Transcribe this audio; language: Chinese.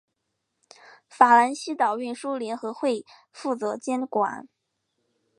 法兰西岛运输联合会则负责监管。